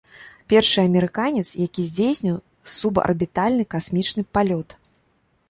Першы амерыканец, які здзейсніў субарбітальны касмічны палёт.